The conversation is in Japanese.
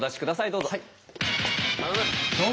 どうぞ。